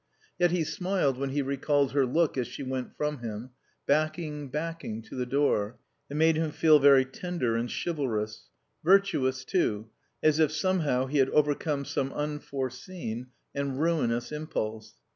Yet he smiled when he recalled her look as she went from him, backing, backing, to the door; it made him feel very tender and chivalrous; virtuous too, as if somehow he had overcome some unforeseen and ruinous impulse.